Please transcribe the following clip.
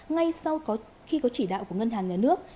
ngay sau khi có chỉ đạo của ngân hàng nhà nước